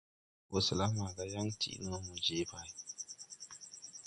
Wɔsɛla maaga yaŋ ti no, mo je pay.